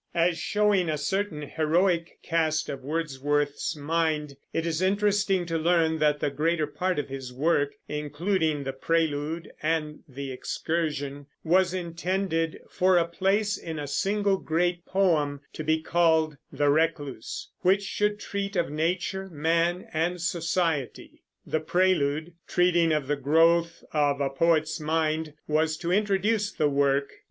As showing a certain heroic cast of Wordsworth's mind, it is interesting to learn that the greater part of his work, including The Prelude and The Excursion, was intended for a place in a single great poem, to be called The Recluse, which should treat of nature, man, and society. The Prelude, treating of the growth of a poet's mind, was to introduce the work.